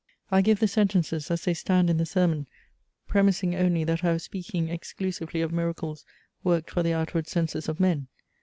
I give the sentences, as they stand in the sermon, premising only that I was speaking exclusively of miracles worked for the outward senses of men.